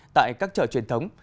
tại các chợ truyền thống